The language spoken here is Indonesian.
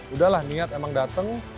udahlah niat emang dateng